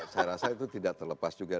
saya rasa itu tidak terlepas juga